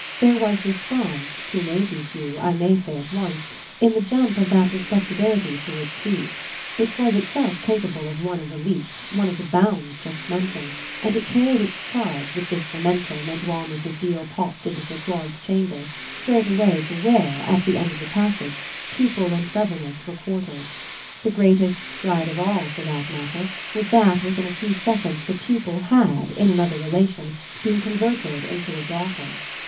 There was response, to Maisie's view, I may say at once, in the jump of that respectability to its feet: it was itself capable of one of the leaps, one of the bounds just mentioned, and it carried its charge, with this momentum and while Mrs. Beale popped into Sir Claude's chamber, straight away to where, at the end of the passage, pupil and governess were quartered. The greatest stride of all, for that matter, was that within a few seconds the pupil had, in another relation, been converted into a daughter.